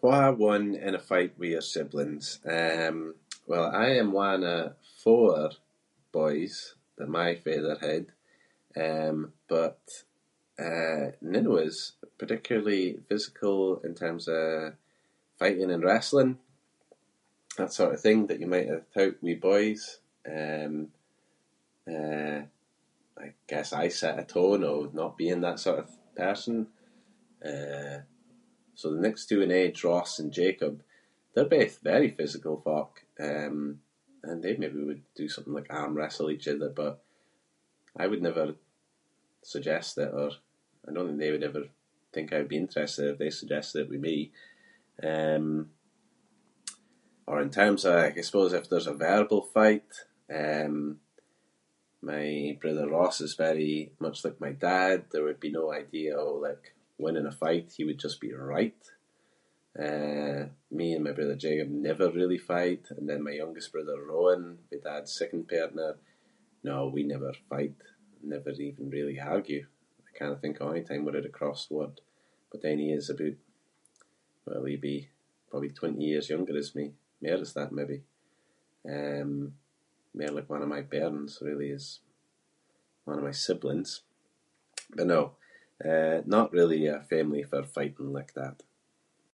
Who won in a fight with your siblings? Um, well, I am one of four boys that my father had. Um, but, eh, none of us particularly physical in terms of fighting and wrestling- that sort of thing that you might’ve thought with boys. Um, eh, I guess I set a tone of not being that sort of person. Uh, so the next two in age, Ross and Jacob- they’re both very physical folk, um, and they’d maybe would do something like arm wrestle each other but I would never suggest that our- I know they maybe never think I’d be interested or they suggest it with me. Um- or in terms of- I suppose if there’s a verbal fight, um, my brother Ross is very much like my dad. There would be no idea of, like, winning a fight- he would just be right. Eh, me and me brother Jay never really fight and then my youngest brother Rowan- my dad's second partner- no, we never fight, never even really argue. Cannae think of ony time we had a cross word. But then he is aboot- well maybe- probably twenty years younger as me- mair as that, maybe. Um, mair like one of my bairns, really, as one of my siblings. But no, eh, not really a family for fighting like that.